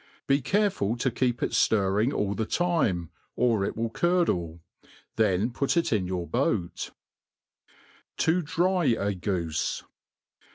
Be careful to keep it ftirring all the time^ or it vill curdle ^ then put it in your boat* To dry a Goofe.